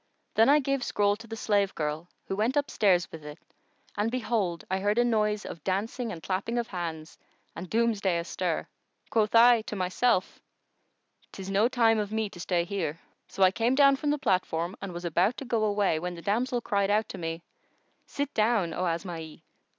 Then I gave the scroll to the slave girl, who went upstairs with it, and behold, I heard a noise of dancing and clapping of hands and Doomsday astir. Quoth I to myself, "'Tis no time of me to stay here." So I came down from the platform and was about to go away, when the damsel cried out to me, 'Sit down, O Asma'i!